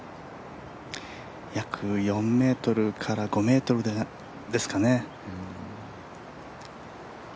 約４ｍから５ｍですかね。